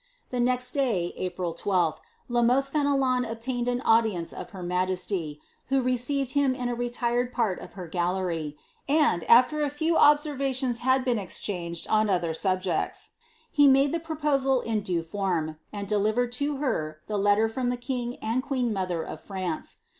The next day, April 12th, La Mothe Fenelon obtained an audience of her majesty, who received him in a re tired part of her gallery, and, after a few observations had been ex changed on other subjects, he made the proposal in due form, and de livered to her the letter from the king and queen mother of France.